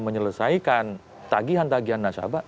menyelesaikan tagihan tagian nasabah